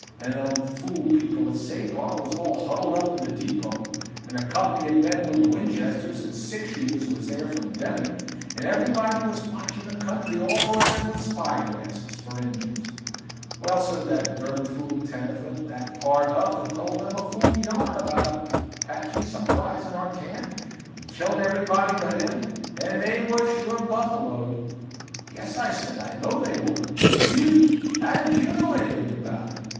And them fool people at Separ was all huddled up in the depot, and a company of men with Winchesters and six shooters was there from Deming, and everybody was watchin' the country all 'round with spyglasses, for Injuns! Well, sir, that durn fool tenderfoot, that Pard Huff, had told them a fool yarn about the Apaches surprisin' our camp and killin' everybody but him, and they was sure buffaloed!" "Yes," I said, "I know they were." "You! How did you know anything about it?"